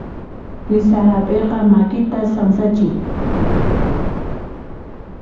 Kisa hap'iyqa makitan sansachin.